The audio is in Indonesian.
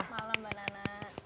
malam mbak nana